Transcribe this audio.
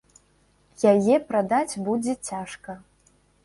Яе прадаць будзе цяжка.